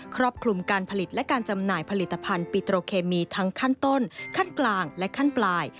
รอบคลุมการผลิตและการจำหน่ายผลิตภัณฑ์ปิโตรเคมีทั้งขั้นต้นขั้นกลางและขั้นปลาย